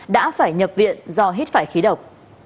đã phải nhập viện do hít phải khí độc